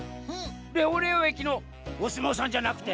レオレオえきのおすもうさんじゃなくて？